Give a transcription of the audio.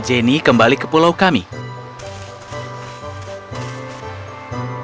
orangestabanya harus esok maintaining